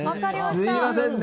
すみませんね！